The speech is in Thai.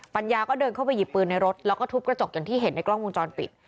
ปัญญาก็เดินเข้าไปหยิบปืนในรถแล้วก็ทุบกระจกอย่างที่เห็นในกล้องวงจรปิด